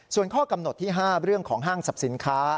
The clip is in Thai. ส่วนข้อกำหนดที่๕เรื่องของห้างสรรพสินค้า